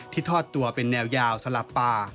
ทอดตัวเป็นแนวยาวสลับป่า